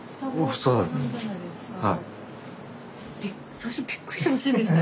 最初びっくりしませんでした？